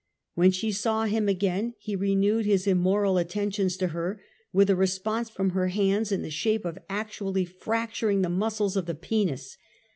When she saw him again he renewed his immoral attentions to her with a response from her hands in the shape of actually fracturing the muscles of the penis.